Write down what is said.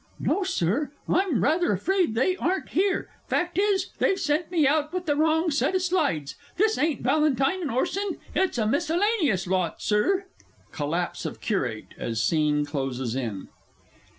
No, Sir; I'm rather afraid they ain't here. Fact is, they've sent me out with the wrong set o' slides. This ain't Valentine and Orson it's a miscellaneous lot, Sir! [_Collapse of Curate as Scene closes in.